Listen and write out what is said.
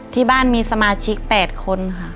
ที่บ้านมีสมาชิก๘คนค่ะ